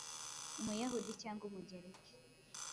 Umuyahudi, cyangwa Umugereki,